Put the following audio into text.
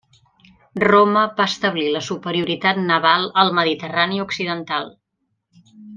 Roma va establir la superioritat naval al mediterrani occidental.